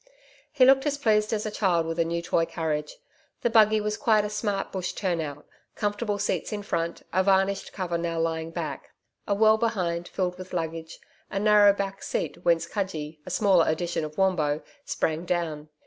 He looked as pleased as a child with a new toy carriage. The buggy was quite a smart bush turn out comfortable seats in front a varnished cover, now lying back; a well behind, filled with luggage; a narrow back seat whence Cudgee a smaller edition of Wombo sprang down.